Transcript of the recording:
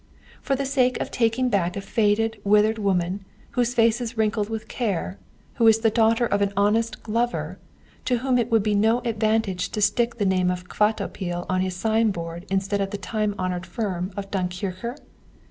for the sake of taking back a faded, withered woman, whose face is wrinkled with care, who is the daughter of an honest glover, to whom it would be no advantage to stick the name of Kvatopil on his sign board instead of the time honoured firm of Dunkircher?